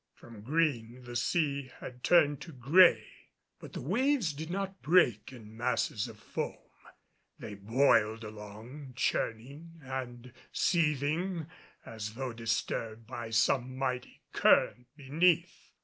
From green the sea had turned to gray. But the waves did not break in masses of foam. They boiled along, churning and seething as though disturbed by some mighty current beneath.